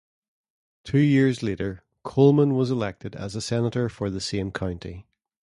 Two years later Coleman was elected as a Senator for the same county.